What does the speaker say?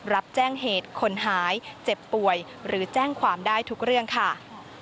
รับแจ้งเหตุคนหายเจ็บป่วยหรือแจ้งความได้ทุกเรื่องค่ะ